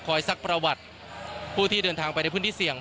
ซักประวัติผู้ที่เดินทางไปในพื้นที่เสี่ยง